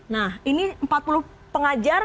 nah ini empat puluh pengajar